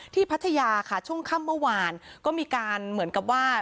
พัทยาค่ะช่วงค่ำเมื่อวานก็มีการเหมือนกับว่า